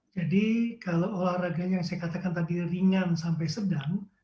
jadi kalau olahraganya yang saya katakan tadi ringan sampai sedang